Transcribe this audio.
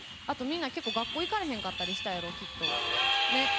あとみんな結構学校行かれへんかったりしたやろきっと。ね。